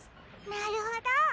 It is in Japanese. なるほど。